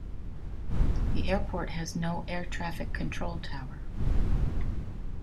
The airport has no Air Traffic Control Tower.